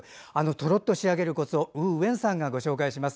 とろっと仕上げるコツについてウー・ウェンさんがご紹介します。